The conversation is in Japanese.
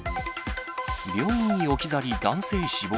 病院に置き去り、男性死亡。